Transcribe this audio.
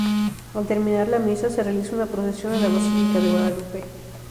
Al terminar la misa se realiza una procesión a la basílica de Guadalupe.